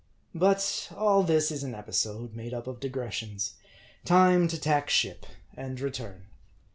But all this is an episode, made up of digressions. Time to tack ship, and return.